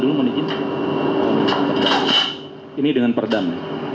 nah ini dengan peredam